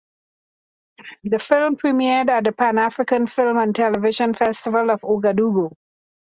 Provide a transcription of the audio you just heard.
The film premiered at the Panafrican Film and Television Festival of Ouagadougou (Fespaco).